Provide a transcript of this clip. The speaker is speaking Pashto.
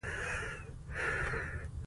افغانستان د هرات له پلوه متنوع دی.